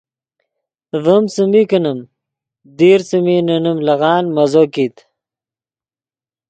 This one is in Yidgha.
ڤیم څیمی کینیم دیر څیمی نے نیم لیغان مزو کیت